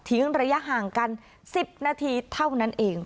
ระยะห่างกัน๑๐นาทีเท่านั้นเอง